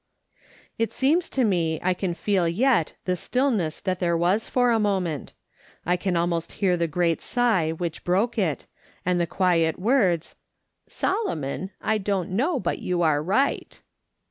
It seems to me I can feel yet the stillness that there was for a moment ; I can almost hear the great sigh which broke it, and the quiet words :" Solomon, I don't know but you are right."